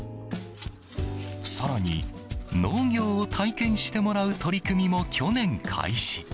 更に、農業を体験してもらう取り組みも、去年開始。